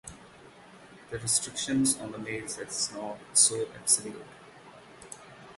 The restriction on the male sex is not so absolute.